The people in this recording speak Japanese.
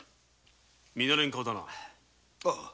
見なれぬ顔だな？